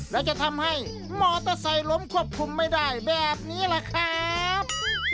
และจะทำให้มอเตอร์ไซค์ล้มควบคุมไม่ได้แบบนี้แหละครับ